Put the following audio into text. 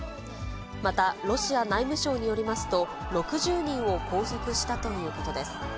またロシア内務省によりますと、６０人を拘束したということです。